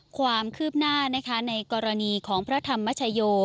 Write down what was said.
ความคืบหน้านะคะในกรณีของพระธรรมชโย